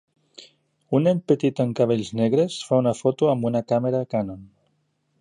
Un nen petit amb cabells negres fa una foto amb una càmera Canon.